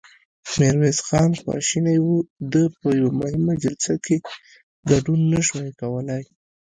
ميرويس خان خواشينی و، ده په يوه مهمه جلسه کې ګډون نه شوای کولای.